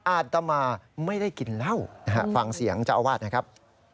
อาตมาไม่ได้กินเหล้านะฮะฟังเสียงเจ้าอาวาสนะครับ